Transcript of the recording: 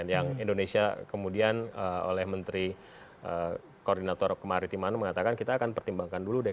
yang indonesia kemudian oleh menteri koordinator kemarin timan mengatakan kita akan pertimbangkan dulu dekadernya